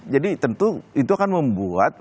jadi tentu itu akan membuat